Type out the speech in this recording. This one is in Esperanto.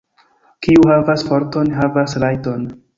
Kiu havas forton, havas rajton.